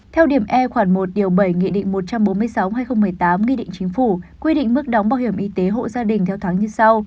theo điểm e khoảng một điều bảy nghị định một trăm bốn mươi sáu hai nghìn một mươi tám nghị định chính phủ quy định mức đóng bảo hiểm y tế hộ gia đình theo tháng như sau